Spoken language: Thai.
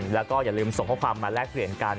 แล้วก็อย่าลืมส่งข้อความมาแลกเปลี่ยนกัน